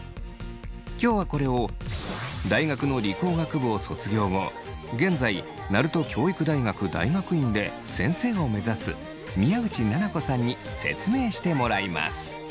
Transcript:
今日はこれを大学の理工学部を卒業後現在鳴門教育大学大学院で先生を目指す宮内菜々子さんに説明してもらいます。